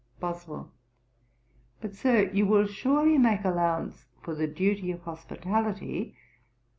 BOSWELL. 'But, Sir, you will surely make allowance for the duty of hospitality.